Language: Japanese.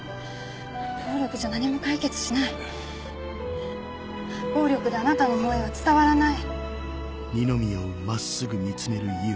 暴力じゃ何も解決しない暴力であなたの思いは伝わらない